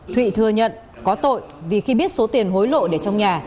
thụy thừa nhận có tội vì khi biết số tiền hối lộ để trong nhà